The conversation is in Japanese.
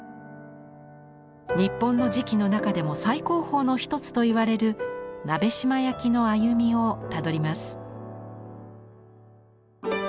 日本の磁器の中でも最高峰の一つといわれる鍋島焼の歩みをたどります。